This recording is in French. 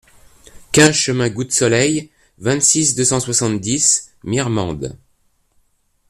quinze chemin Goutte Soleil, vingt-six, deux cent soixante-dix, Mirmande